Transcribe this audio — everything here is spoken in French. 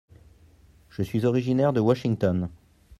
Je suis originaire de Washington.